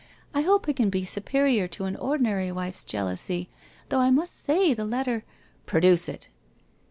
I hope I can be superior to an ordinary wife's jealousy, though I must say, the let ter '' Produce it